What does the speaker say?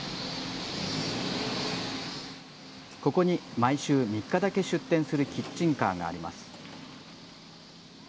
ここに毎週３日だけ出店するキッチンカーがあります。